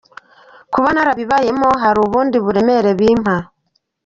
Kuba narabibayemo hari ubundi buremere bimpa.